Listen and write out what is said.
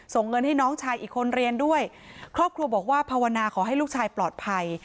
ส่งเงินให้น้องชายอีกคนเรียนด้วยครอบครัวบอกว่าภาวนาขอให้ลูกชายปลอดภัย